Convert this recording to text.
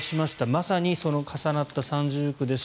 まさに重なった三重苦です